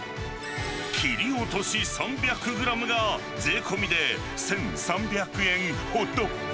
切り落とし３００グラムが、税込みで１３００円ほど。